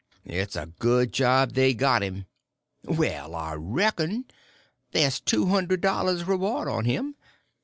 "It's a good job they got him." "Well, I reckon! There's two hunderd dollars reward on him.